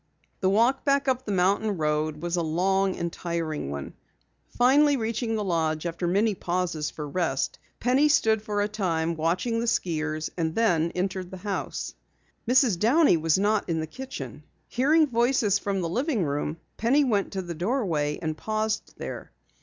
The walk back up the mountain road was a long and tiring one. Finally reaching the lodge after many pauses for rest, Penny stood for a time watching the skiers, and then entered the house. Mrs. Downey was not in the kitchen. Hearing voices from the living room, Penny went to the doorway and paused there.